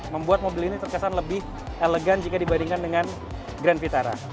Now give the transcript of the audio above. membuat mobil ini terkesan lebih elegan jika dibandingkan dengan grand vitara